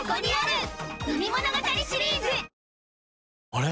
あれ？